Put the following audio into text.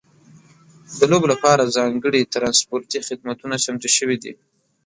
د لوبو لپاره ځانګړي ترانسپورتي خدمتونه چمتو شوي دي.